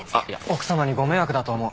奥さまにご迷惑だと思う。